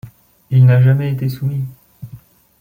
Il n'a jamais été soumis.